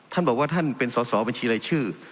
ท่านบอกว่าท่านเป็นสอสอบัญชีรายชื่อ